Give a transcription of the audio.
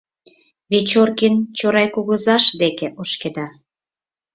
Вечоркин Чорай кугызаж деке ошкеда.